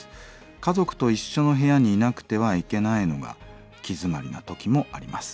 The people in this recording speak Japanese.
家族と一緒の部屋にいなくてはいけないのが気詰まりな時もあります。